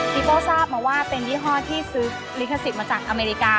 พี่โป้ทราบมาว่าเป็นยี่ห้อที่ซื้อลิขสิทธิ์มาจากอเมริกา